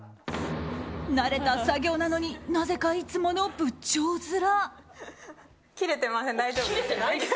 慣れた作業なのになぜか、いつもの仏頂面。